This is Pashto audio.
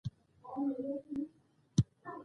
ده له پوځونو سره همکاري وکړي.